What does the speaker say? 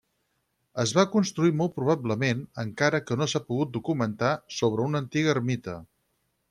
Es va construir molt probablement, encara que no s'ha pogut documentar, sobre una antiga ermita.